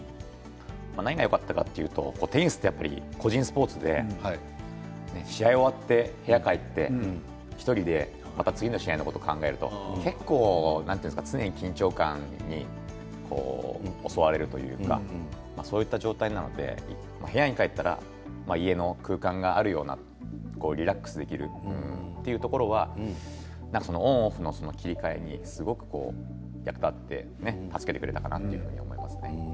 何がよかったかっていうとテニスって個人スポーツで試合終わって部屋に帰って１人でまた次の試合のことを考えると結構、常に緊張感に襲われるというかそういった状態なので部屋に帰ったら家の空間があるようなリラックスできるというところはオンオフの切り替えにすごく役立って助けてくれたかなと思いますね。